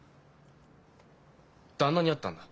旦那に会ったんだ。